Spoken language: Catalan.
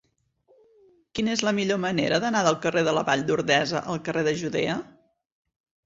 Quina és la millor manera d'anar del carrer de la Vall d'Ordesa al carrer de Judea?